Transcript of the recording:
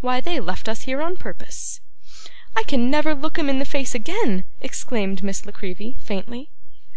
Why they left us here on purpose.' 'I can never look 'em in the face again!' exclaimed Miss La Creevy, faintly.